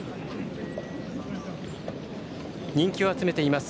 人気を集めています